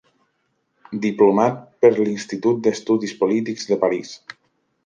Diplomat per l'Institut d'estudis polítics de París.